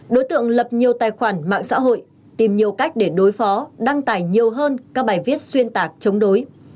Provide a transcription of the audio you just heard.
đối tượng lập nhiều tài khoản mạng xã hội tìm nhiều cách để đối phó đăng tải nhiều hơn các bài viết xuyên tạc chống đối